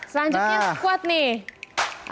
selanjutnya squat nih